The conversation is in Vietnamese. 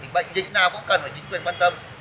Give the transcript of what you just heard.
bệnh dịch nào cũng cần phải chính quyền quan tâm